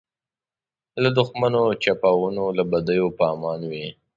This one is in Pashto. له دښمنو چپاوونو له بدیو په امان وي.